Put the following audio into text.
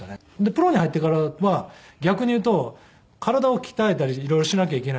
プロに入ってからは逆にいうと体を鍛えたり色々しなきゃいけないんで。